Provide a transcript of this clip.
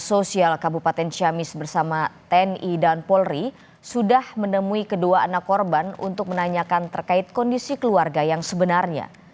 sosial kabupaten ciamis bersama tni dan polri sudah menemui kedua anak korban untuk menanyakan terkait kondisi keluarga yang sebenarnya